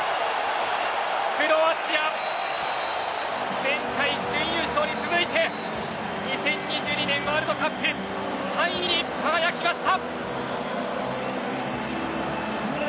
クロアチア、前回準優勝に続いて２０２２年ワールドカップ３位に輝きました！